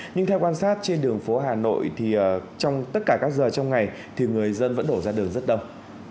nhưng theo quan sát trên đường phố hà nội thì trong tất cả các giờ trong ngày thì người dân vẫn đổ ra đường rất đông